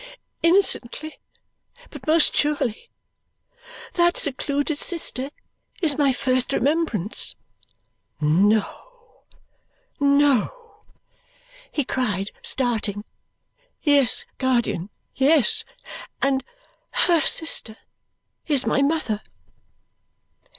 Innocently, but most surely. That secluded sister is my first remembrance." "No, no!" he cried, starting. "Yes, guardian, yes! And HER sister is my mother!"